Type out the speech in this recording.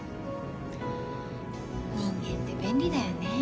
人間って便利だよねえ。